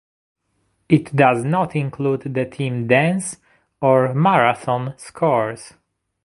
It does not include the Team Dance or Marathon scores.